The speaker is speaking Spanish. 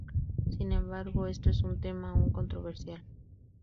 Sin embargo, esto es un tema aún controversial.